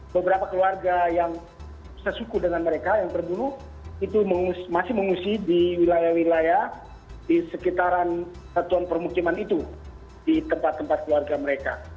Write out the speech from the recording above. beberapa keluarga yang sesuku dengan mereka yang terburu itu masih mengungsi di wilayah wilayah di sekitaran satuan permukiman itu di tempat tempat keluarga mereka